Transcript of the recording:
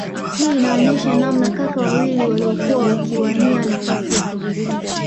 Hii inaonesha namna kaka wawili waliokuwa wakiwania nafasi ya kurithi